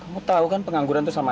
kamu tahu kan pengangguran itu sama